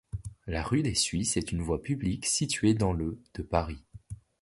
La rue des Suisses est une voie publique située dans le de Paris.